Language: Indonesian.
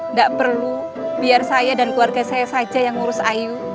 nggak perlu biar saya dan keluarga saya saja yang ngurus ayu